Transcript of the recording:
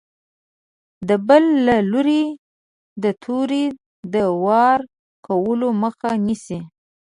د بل له لوري د تورې د وار کولو مخه نیسي.